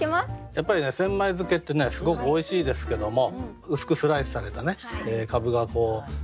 やっぱり千枚漬けってねすごくおいしいですけども薄くスライスされたかぶが積み重なってて